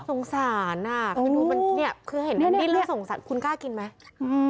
สงสารอ่ะคือดูมันเนี่ยคือเห็นนี่แล้วสงสารคุณกล้ากินไหม